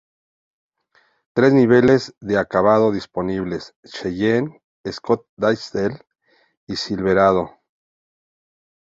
Tres niveles de acabado disponibles: Cheyenne, Scottsdale, y Silverado.